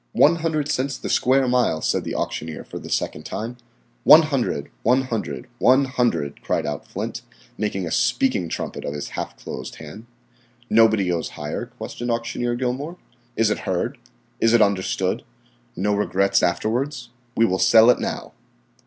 "One hundred cents the square mile," said the auctioneer for the second time, "One hundred, one hundred, one hundred," cried out Flint, making a speaking trumpet of his half closed hand. "Nobody goes higher?" questioned Auctioneer Gilmour. "Is it heard? Is it understood? No regrets afterwards? We will sell it now."